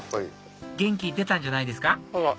元気出たんじゃないですか？